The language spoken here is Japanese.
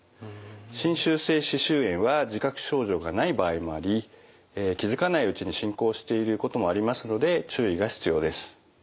侵襲性歯周炎は自覚症状がない場合もあり気付かないうちに進行していることもありますので注意が必要です。